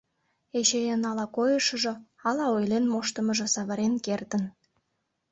Эчейын ала койышыжо, ала ойлен моштымыжо савырен кертын.